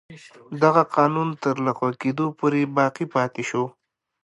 دغه قانون تر لغوه کېدو پورې باقي پاتې شو.